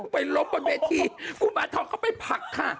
ไปลบบนเวทีกุมารทองเข้าไปผลักค่ะ